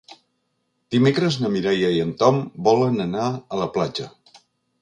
Dimecres na Mireia i en Tom volen anar a la platja.